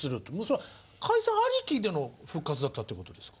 それは解散ありきでの復活だったってことですか？